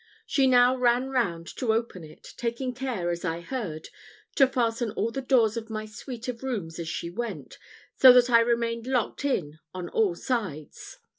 She now ran round to open it, taking care, as I heard, to fasten all the doors of my suite of rooms as she went, so that I remained locked in on all sides.